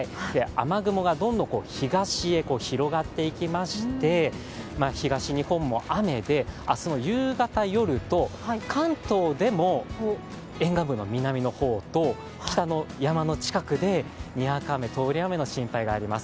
雨雲がどんどん東へ広がっていきまして、東日本も雨で明日の夕方、夜と関東でも沿岸部の南の方と北の山の近くで、にわか雨通り雨の心配があります。